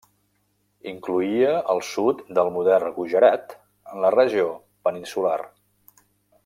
Incloïa el sud del modern Gujarat en la regió peninsular.